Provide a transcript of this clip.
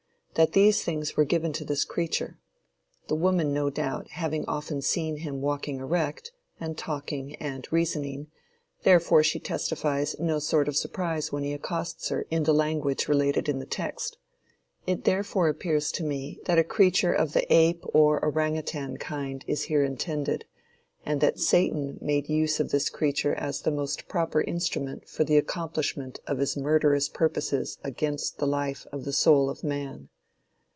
That these things were given to this creature. The woman no doubt having often seen him walking erect, and talking and reasoning, therefore she testifies no sort of surprise when he accosts her in the language related in the text. It therefore appears to me that a creature of the ape or orangoutang kind is here intended, and that satan made use of this creature as the most proper instrument for the accomplishment of his murderous purposes against the life of the soul of man.